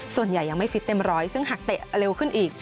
ส่วนใหญ่ยังไม่ฟิตเต็มร้อยซึ่งหากเตะเร็วขึ้นอีก